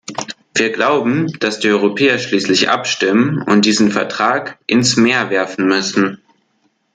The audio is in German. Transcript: Wir glauben, dass die Europäer schließlich abstimmen und diesen Vertrag ins Meer werfen müssen.